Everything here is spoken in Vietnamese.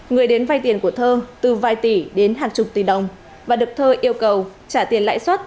người đến vay tiền của thơ từ vài tỷ đến hàng chục tỷ đồng và được thơ yêu cầu trả tiền lãi suất